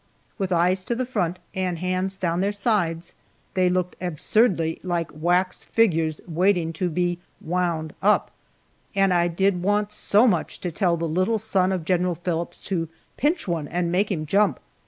With eyes to the front and hands down their sides they looked absurdly like wax figures waiting to be "wound up," and I did want so much to tell the little son of General Phillips to pinch one and make him jump.